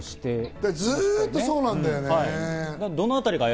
でも、ずっとそうなんだよね。